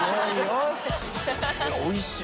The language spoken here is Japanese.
おいしい！